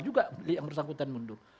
yang harus anggutan mundur